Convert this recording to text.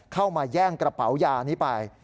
มาแย่งกระเป๋ายานี้ไป